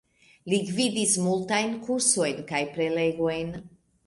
Li gvidis multajn kursojn kaj prelegojn.